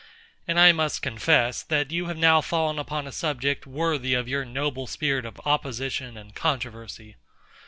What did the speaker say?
And I must confess, that you have now fallen upon a subject worthy of your noble spirit of opposition and controversy.